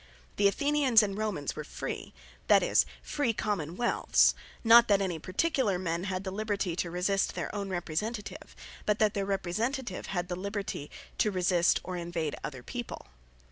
The Athenians, and Romanes, were free; that is, free Common wealths: not that any particular men had the Libertie to resist their own Representative; but that their Representative had the Libertie to resist, or invade other people.